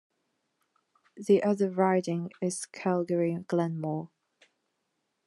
The other riding is Calgary-Glenmore.